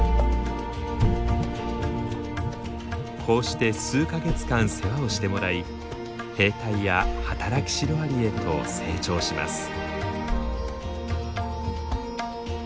こうして数か月間世話をしてもらい兵隊や働きシロアリへと成長します。